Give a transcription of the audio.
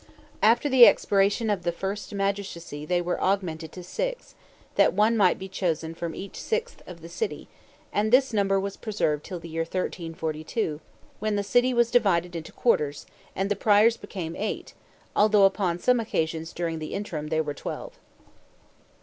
After the expiration of the first magistracy they were augmented to six, that one might be chosen from each sixth of the city, and this number was preserved till the year 1342, when the city was divided into quarters, and the Priors became eight, although upon some occasions during the interim they were twelve.